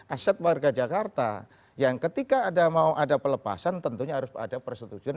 aset warga jakarta yang ketika ada mau ada pelepasan tentunya harus ada persetujuan